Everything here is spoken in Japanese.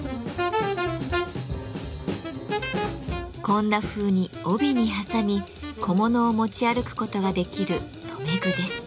こんなふうに帯に挟み小物を持ち歩くことができる留め具です。